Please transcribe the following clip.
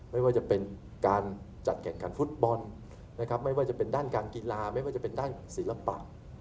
ไม่ว่าจะเป็นการจัดแข่งขันฟุตบอลนะครับไม่ว่าจะเป็นด้านการกีฬาไม่ว่าจะเป็นด้านศิลปะ